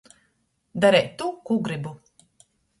Dareit tū, kū grybu.